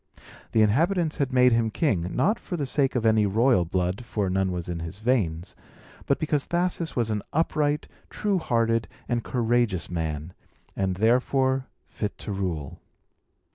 The inhabitants had made him king, not for the sake of any royal blood (for none was in his veins), but because Thasus was an upright, true hearted, and courageous man, and therefore fit to rule.